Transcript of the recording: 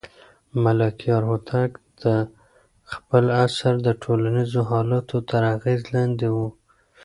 ملکیار هوتک د خپل عصر د ټولنیزو حالاتو تر اغېز لاندې و.